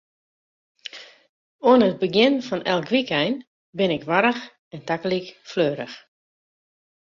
Oan it begjin fan elk wykein bin ik warch en tagelyk fleurich.